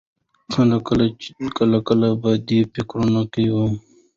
کله کله په دې فکرونو کې وم.